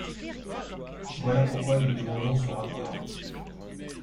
Voilà pourquoi nous demandons ce rapport.